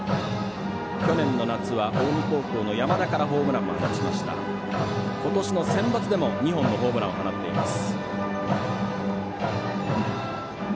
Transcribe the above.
去年の夏は近江高校の山田からホームランも今年のセンバツでも２本のホームランを放っています。